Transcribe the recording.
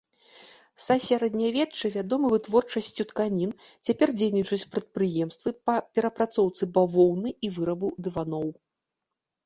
Са сярэднявечча вядомы вытворчасцю тканін, цяпер дзейнічаюць прадпрыемствы па перапрацоўцы бавоўны і вырабу дываноў.